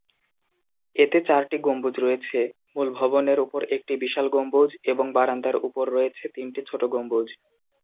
এতে চারটি গম্বুজ রয়েছে; মূল ভবনের উপর একটি বিশাল গম্বুজ এবং বারান্দার উপর রয়েছে তিনটি ছোট গম্বুজ।